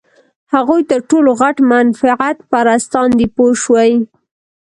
هغوی تر ټولو غټ منفعت پرستان دي پوه شوې!.